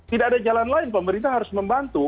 tidak ada jalan lain pemerintah harus membantu